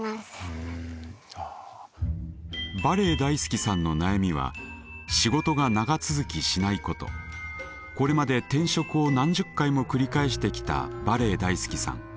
バレエ大好きさんの悩みはこれまで転職を何十回も繰り返してきたバレエ大好きさん。